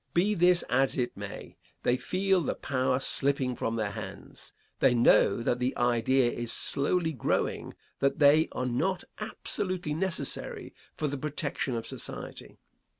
Be this as it may, they feel the power slipping from their hands. They know that the idea is slowly growing that they are not absolutely necessary for the protection of society.